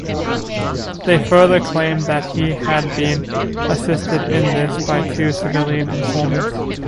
They further claimed that he had been assisted in this by two civilian informants.